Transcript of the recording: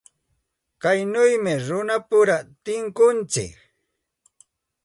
Kaynawmi runapura tunkuntsik.